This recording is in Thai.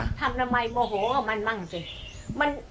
ทำทำไมโมโหกับมันมั่งสิ